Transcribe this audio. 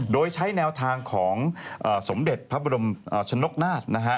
โดยใช้แนวทางของสมเด็จพระบรมชนกนาฏนะฮะ